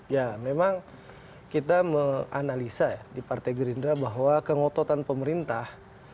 ya memang kita menganalisa ya di partai gerindra bahwa kengototan pemerintah